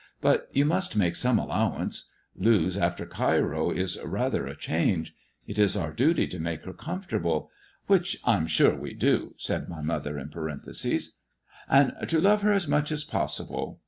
But you must make some allowance. Lewes after Cairo is rather a change. It is our duty to make her comfortable "" Which I'm sure we do," said my mother in parenthesis. and to love her as much as possible.